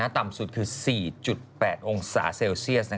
ต่ำสุดคือ๔๘องศาเซลเซียส